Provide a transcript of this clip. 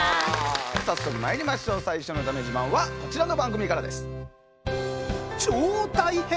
早速まいりましょう最初のだめ自慢はこちらの番組からです。